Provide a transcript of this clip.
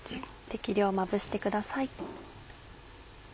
適量まぶしてください。